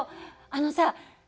あのさ